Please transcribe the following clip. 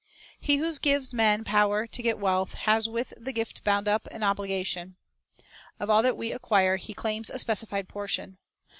4 He who gives men power to get wealth has with the gift bound up an obligation. Of all that we acquire He claims a specified portion.